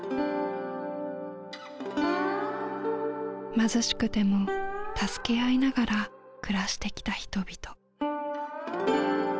貧しくても助け合いながら暮らしてきた人々。